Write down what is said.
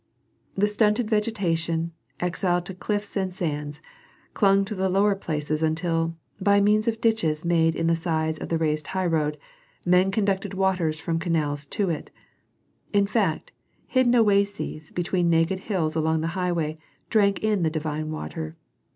The stunted vegetation, exiled to cliffs and sands, clung to the lower places until, by means of ditches made in the sides of the raised highroad, men conducted water from the canals to it. In fact, hidden oases between naked hills along that highway drank in the divine water.